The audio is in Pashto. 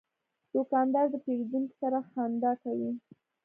دوکاندار د پیرودونکو سره خندا کوي.